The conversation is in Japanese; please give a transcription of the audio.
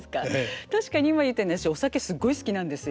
確かに今言ったように私お酒すごい好きなんですよ。